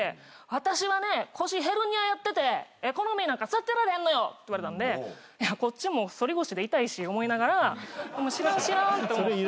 「私はね腰ヘルニアやっててエコノミーなんか座ってられへんのよ」って言われたんでいやこっちも反り腰で痛いし思いながらもう知らん知らんと思って。